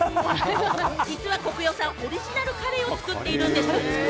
実はコクヨさん、オリジナルカレーを作っているんですよ。